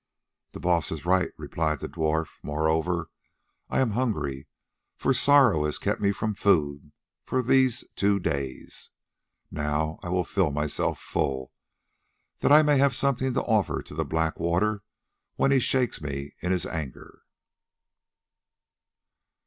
"The Baas is right," replied the dwarf; "moreover, I am hungry, for sorrow has kept me from food for these two days. Now I will fill myself full, that I may have something to offer to the Black Water when he shakes me in his anger."